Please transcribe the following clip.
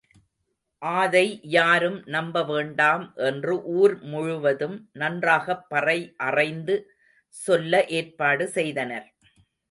ஆதை யாரும் நம்ப வேண்டாம் என்று ஊர் முழுவதும் நன்றாகப் பறை அறைந்து சொல்ல ஏற்பாடு செய்தனர்.